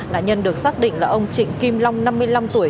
nạn nhân được xác định là ông trịnh kim long năm mươi năm tuổi